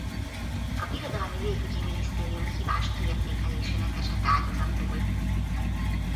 A Birodalmi Légügyi Minisztérium hibás kiértékelésének esett áldozatul.